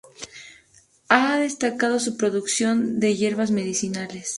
Ha destacado su producción de hierbas medicinales.